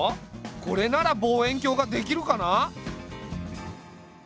これなら望遠鏡ができるかな？